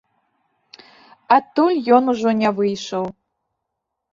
Адтуль ён ужо не выйшаў.